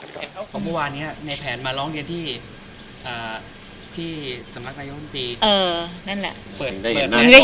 เฮ้ยเขาก็บอกว่านี้ในแผนมาร้องเย็นที่สำนักนายกบัญฑี